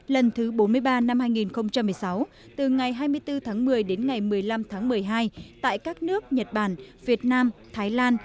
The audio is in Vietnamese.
lần thứ bốn mươi ba năm hai nghìn một mươi sáu từ ngày hai mươi bốn tháng một mươi đến ngày một mươi năm tháng một mươi hai tại các nước nhật bản việt nam thái lan